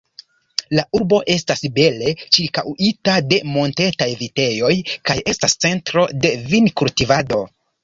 La urbo estas bele ĉirkaŭita de montetaj vitejoj, kaj estas centro de vinkultivado.